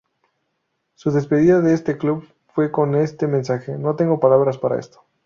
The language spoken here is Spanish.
Su despedida de este club, fue con este mensaje "No tengo palabras para esto.